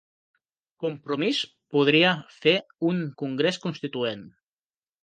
Compromís podria fer un congrés constituent